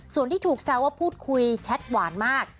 ส่วนที่ถูกแซวว่าพูดคุยแชทหวานมาก